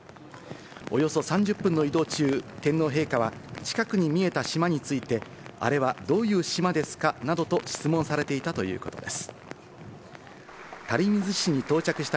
およそ３０分の移動中、天皇陛下は近くに見えた島について、あれはどういう島ですかなどと質問されていたということです。